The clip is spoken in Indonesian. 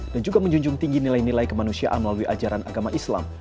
dan juga menjunjung tinggi nilai nilai kemanusiaan melalui ajaran agama islam